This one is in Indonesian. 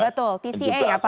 betul tce ya pak